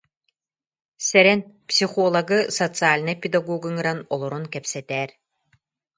«Сэрэн, психологы, социальнай педагогу ыҥыран олорон кэпсэтээр»